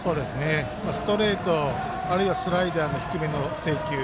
ストレート、あるいはスライダーの低めの制球。